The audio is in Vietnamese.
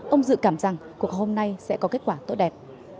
ông dự cảm rằng cuộc họp hôm nay sẽ có kết quả tốt đẹp